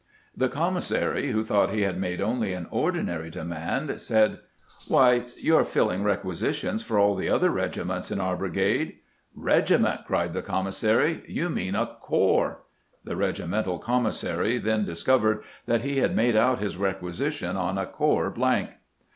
The commissary, who THE STAPF ENLARGED 233 thought he had made only an ordinary demand, said: ' Why, you 're filling requisitions for all the other regi ments in our brigade !'' Eegiment !' cried the commis sary. ' You mean a corps.' The regimental commissary then discovered that he had made out his requisition on a corps blank."